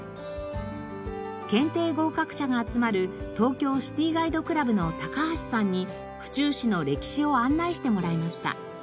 検定合格者が集まる東京シティガイドクラブの橋さんに府中市の歴史を案内してもらいました。